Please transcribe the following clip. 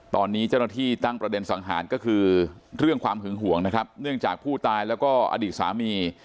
ตอนนี้เจ้าหน้าที่ตั้งประเด็นสังหารก็คือเรื่องความหึงห่วงนะครับเนื่องจากผู้ตายแล้วก็อดีตสามี